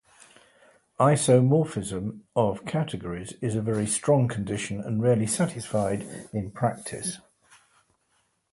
Isomorphism of categories is a very strong condition and rarely satisfied in practice.